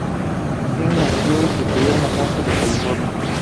King nació y se crio en Los Angeles, California.